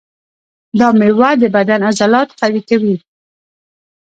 دا مېوه د بدن عضلات قوي کوي.